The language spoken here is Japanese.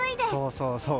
そうそう。